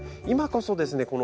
今こそですね